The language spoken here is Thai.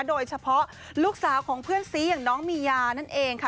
โดยเฉพาะลูกสาวของเพื่อนซีอย่างน้องมียานั่นเองค่ะ